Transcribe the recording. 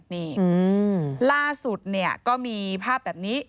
นี่ล่าสุดเนี่ยก็มีภาพแบบนี้